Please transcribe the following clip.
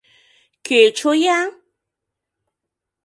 Кӧ чоя?!